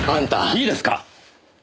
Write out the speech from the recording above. いいですか？